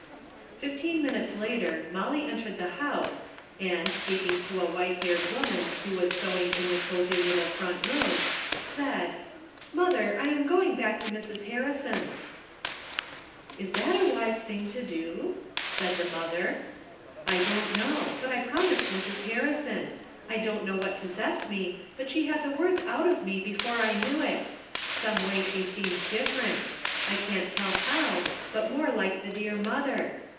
Fifteen minutes later Molly entered the house, and, speaking to a white haired woman who was sewing in the cosy little front room, said :" Mother, I am going back to Mrs. Harrison's." " Is that a wise thing to do ?" said the mo ther. " I don't know, but I promised Mrs. Harrison. I don't know what possessed me, but she had the words out of me before I knew it. Someway she seemed different. I can't tell how, but more like the dear mother.